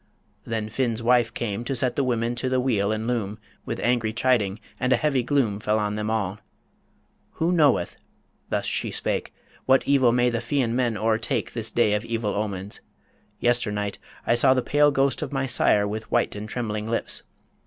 Then Finn's wife came To set the women to the wheel and loom, With angry chiding; and a heavy gloom Fell on them all. "Who knoweth," thus she spake, "What evil may the Fian men o'ertake This day of evil omens. Yester night I say the pale ghost of my sire with white And trembling lips